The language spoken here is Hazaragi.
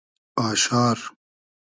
آشار